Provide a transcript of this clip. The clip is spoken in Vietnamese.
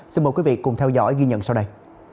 xin mời quý vị cùng theo dõi ghi nhận sau đây